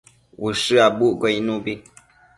Ushë abucquio icnubi